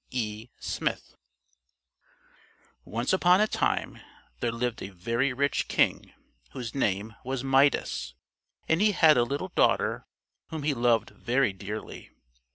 E. SMITH Once upon a time there lived a very rich King whose name was Midas, and he had a little daughter whom he loved very dearly.